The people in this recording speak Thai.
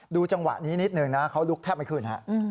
จังหวะนี้นิดนึงนะเขาลุกแทบไม่ขึ้นฮะ